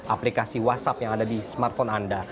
aplikasi whatsapp yang ada di smartphone anda